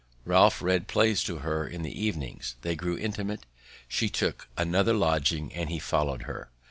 Ralph read plays to her in the evenings, they grew intimate, she took another lodging, and he followed her.